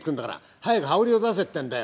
早く羽織を出せってんだよ。